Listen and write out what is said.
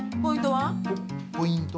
ポイント？